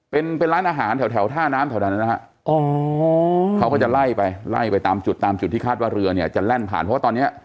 เป็นเป็นร้านอาหารแถวแถวท่าน้ำแถวนั้นนะฮะอ๋อเขาก็จะไล่ไปไล่ไปตามจุดตามจุดที่คาดว่าเรือเนี่ยจะแล่นผ่านเพราะว่าตอนเนี้ย